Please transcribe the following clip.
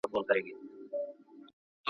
له سېله پاته له پرواز څخه لوېدلی یمه .